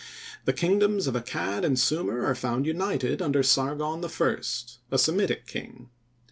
the kingdoms of Accad and Sumir are found united under Sargon I, a Semitic king.